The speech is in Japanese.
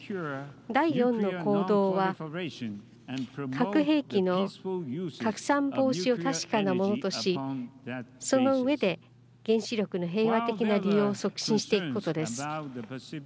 第４の行動は核兵器の拡散防止を確かなものとしその上で、原子力の平和的な利用を促進していくことです。